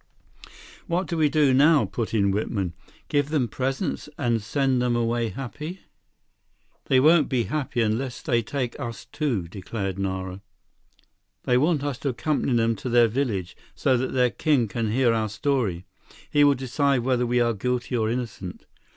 "What do we do now?" put in Whitman. "Give them presents and send them away happy?" "They won't be happy unless they take us, too," declared Nara. "They want us to accompany them to their village, so that their king can hear our story. He will decide whether we are guilty or innocent."